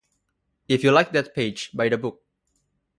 If you like that page, buy the book.